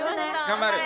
頑張る！